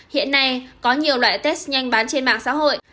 hiện nay có nhiều loại test nhanh bán trên mạng xã hội